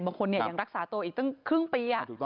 บางคนยังรักษาตัวอีกตั้งครึ่งปี